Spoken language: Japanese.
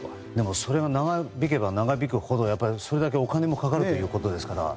でも、それが長引けば長引くほどそれだけお金もかかると。